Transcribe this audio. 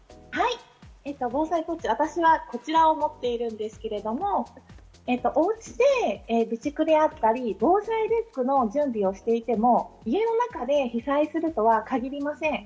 防災ポーチ、私はこちらを持っているんですけれども、おうちで備蓄であったり、防災リュックの準備をしていても、家の中で被災するとは限りません。